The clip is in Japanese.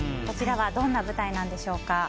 こちらはどんな舞台なんでしょうか。